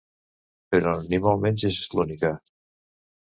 Però ni molt menys és l’única.